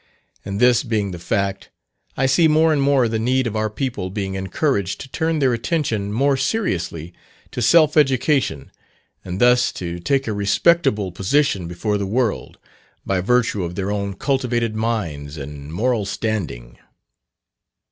And this being the fact, I see more and more the need of our people being encouraged to turn their attention more seriously to self education, and thus to take a respectable position before the world, by virtue of their own cultivated minds and moral standing.